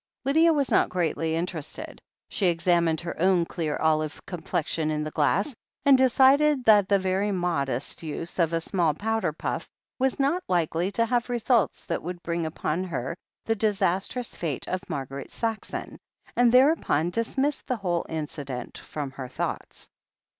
Lydia was not greatly interested. She examined her own clear olive complexion in the glass, and decided that the very moderate use of a small powder puff was not likely to have results that would bring upon her the disastrous fate of Marguerite Saxon, and thereupon dismissed the whole incident from her thoughts.